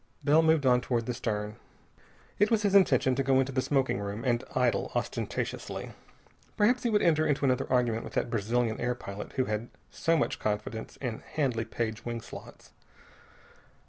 Bell moved on toward the stern. It was his intention to go into the smoking room and idle ostentatiously. Perhaps he would enter into another argument with that Brazilian air pilot who had so much confidence in Handley Page wing slots.